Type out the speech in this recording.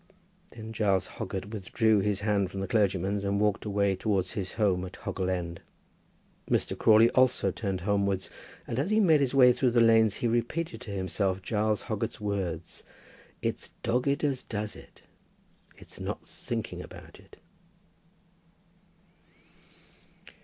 Then Giles Hoggett withdrew his hand from the clergyman's, and walked away towards his home at Hoggle End. Mr. Crawley also turned homewards, and as he made his way through the lanes, he repeated to himself Giles Hoggett's words. "It's dogged as does it. It's not thinking about it." [Illustration: "It's dogged as does it."